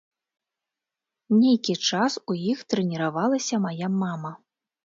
Нейкі час у іх трэніравалася мая мама.